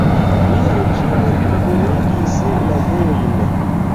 Lia reĝimo plibonigis la vojojn.